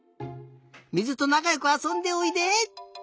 水となかよくあそんでおいで！